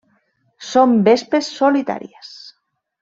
Són vespes solitàries.